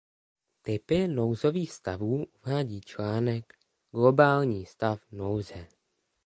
Typy nouzových stavů uvádí článek Globální stav nouze.